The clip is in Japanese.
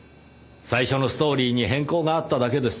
最初のストーリーに変更があっただけです。